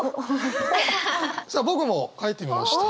さあ僕も書いてみました。